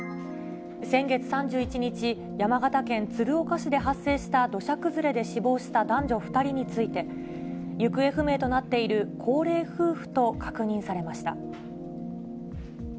先月３１日、山形県鶴岡市で発生した土砂崩れで死亡した男女２人について、行方不明となっている高齢夫婦と確認されました。